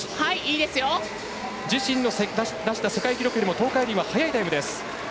自身の出した世界記録よりも東海林は速いタイムです。